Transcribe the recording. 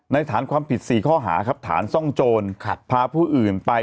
ฐานความผิด๔ข้อหาครับฐานซ่องโจรพาผู้อื่นไป